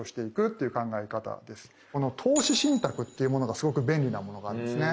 この投資信託っていうものがすごく便利なものがあるんですね。